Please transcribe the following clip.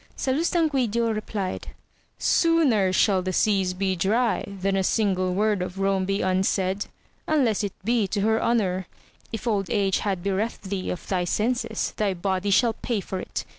Salustan quidio replied. Sooner shall the seas be dry, than a single word of Rome be unsaid, unless it be to her honour ! if old age hath bereft thee of thy senses thy body shall pay for it